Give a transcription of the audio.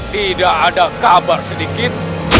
tidak ada kabar sedikit